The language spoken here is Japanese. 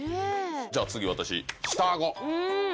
じゃあ次私下あご！